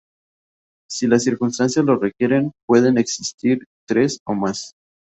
Si las circunstancias lo requieren, pueden existir tres o más.